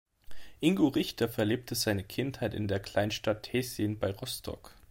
Ingo Richter verlebte seine Kindheit in der Kleinstadt Tessin bei Rostock.